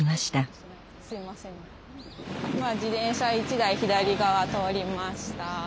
今自転車１台左側通りました。